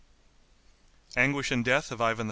Anguish and Death of Ivan IV.